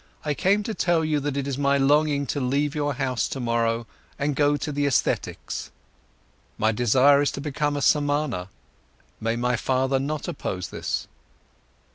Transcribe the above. I came to tell you that it is my longing to leave your house tomorrow and go to the ascetics. My desire is to become a Samana. May my father not oppose this."